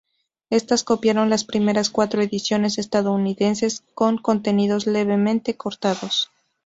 Estas copiaron las primeras cuatro ediciones estadounidenses, con contenidos levemente cortados.